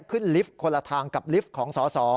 ขึ้นลิฟต์คนละทางกับลิฟต์ของสอ